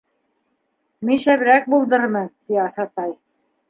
— Мин шәберәк булдырырмын, — ти Асатай.